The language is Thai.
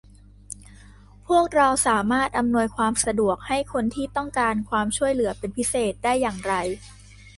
พวกเราสามารถอำนวยความสะดวกให้คนที่ต้องการความช่วยเหลือเป็นพิเศษได้อย่างไร